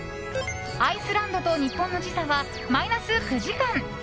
アイスランドと日本の時差はマイナス９時間。